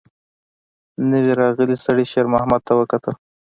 نوي راغلي سړي شېرمحمد ته وکتل.